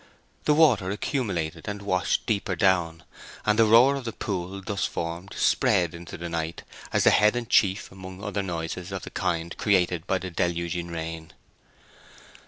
The water accumulated and washed deeper down, and the roar of the pool thus formed spread into the night as the head and chief among other noises of the kind created by the deluging rain.